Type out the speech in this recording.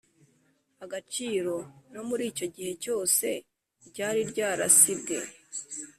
agaciro no muri icyo gihe cyose ryari ryarasibwe